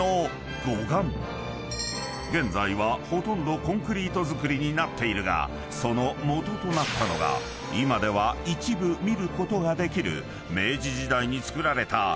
［現在はほとんどコンクリート造りになっているがその基となったのが今では一部見ることができる］